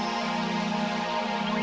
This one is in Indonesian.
tidak tuan teddy